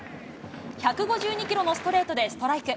１５２キロのストレートでストライク。